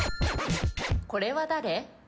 これは誰？